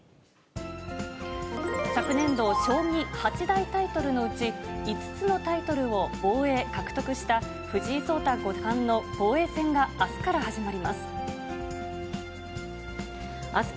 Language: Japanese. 昨年度、将棋八大タイトルのうち、５つのタイトルを防衛、獲得した、藤井聡太五冠の防衛戦があすから始まります。